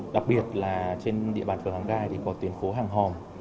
đặc biệt là trên địa bàn phường hàng gai thì có tuyến phố hàng hòm